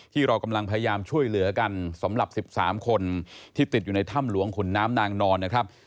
ที่เรากำลังพยายามช่วยเหลือกันสำหรับ๑๓คนที่ติดอยู่ในถ้ำหลวงขุนน้ำนางนอนนะครับ